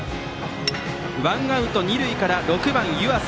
ワンアウト二塁から６番、湯浅。